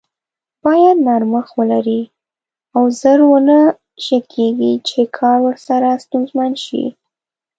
بايد نرمښت ولري او زر و نه شکیږي چې کار ورسره ستونزمن شي.